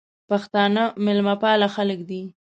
پښتانه مېلمه پاله خلګ دي.